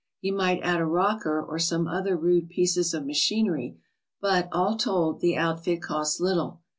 He might add a rocker or some other rude pieces of machinery, but, all told, the outfit cost little.